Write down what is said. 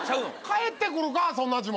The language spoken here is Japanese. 帰ってくるかそんな地元。